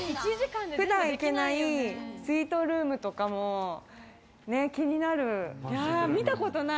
普段行けないスイートルームとかも気になる。